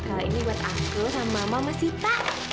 kalau ini buat aku sama mama mas sita